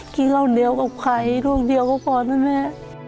กินข้าวเดียวกับใครลูกเดียวก็พอนะแม่